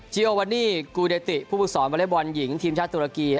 เจีโอวันนี้กูเดติผู้ฟุกศรวอเล่บอนหญิงทีมชาติตุรกี